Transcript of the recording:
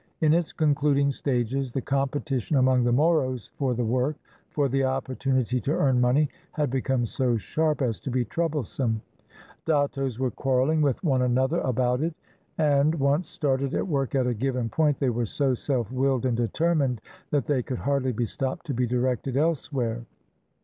In its concluding stages the competition among the Moros for the work, for the opportunity to earn money, had become so sharp as to be troublesome. Dattos were quarrehng with one another about it, and, once started at work at a given point, they were so self willed and determined that they could hardly be stopped to be directed elsewhere.